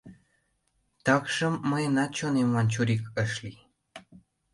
Такшым, мыйынат чонемлан чурик ыш лий.